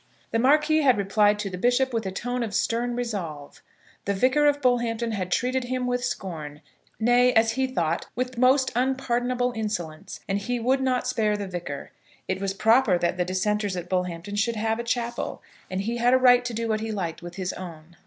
The Marquis had replied to the bishop with a tone of stern resolve. The Vicar of Bullhampton had treated him with scorn, nay, as he thought, with most unpardonable insolence, and he would not spare the Vicar. It was proper that the dissenters at Bullhampton should have a chapel, and he had a right to do what he liked with his own.